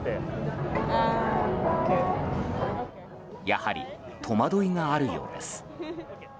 やはり戸惑いがあるようです。